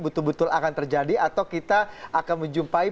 betul betul akan terjadi atau kita akan menjumpai